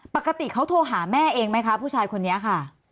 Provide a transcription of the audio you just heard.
ปกติเขาโทรหาแม่เองไหมคะผู้ชายคนนี้ค่ะ